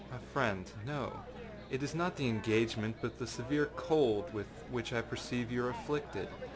â âMy friend, no. It is not the engagement, but the severe cold with which I perceive you are afflicted.